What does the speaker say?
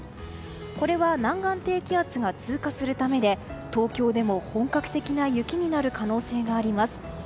これは南岸低気圧が通過するためで東京でも本格的な雪になる可能性があります。